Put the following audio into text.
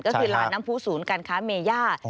ก็คือลานน้ำผู้ศูนย์การค้าเมย่า